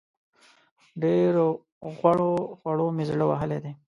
ډېرو غوړو خوړو مې زړه وهلی دی.